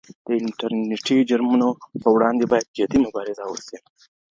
د انټرنیټي جرمونو په وړاندي باید جدي مبارزه وشي.